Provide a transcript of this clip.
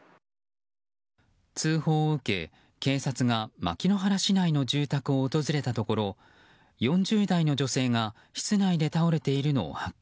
通報を受け、警察が牧之原市内の住宅を訪れたところ４０代の女性が室内で倒れているのを発見。